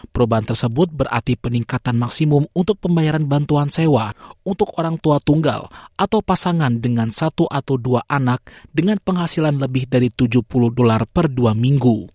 perubahan tersebut berarti peningkatan maksimum untuk pembayaran bantuan sewa untuk orang tua tunggal atau pasangan dengan satu atau dua anak dengan penghasilan lebih dari tujuh puluh dolar per dua minggu